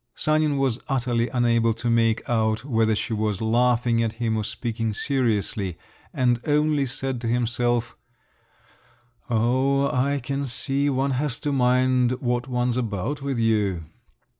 Sanin was utterly unable to make out whether she was laughing at him or speaking seriously, and only said to himself: "Oh, I can see one has to mind what one's about with you!"